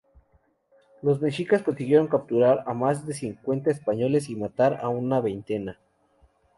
Los mexicas consiguieron capturar a más de cincuenta españoles, y matar a una veintena.